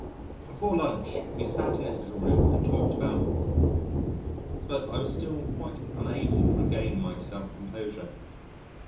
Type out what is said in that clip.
Before lunch we sat in his little room and talked about , but I was still quite unable to regain my self composure.